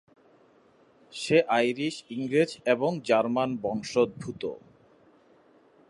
সে Irish, ইংরেজ এবং German বংশদ্ভুত।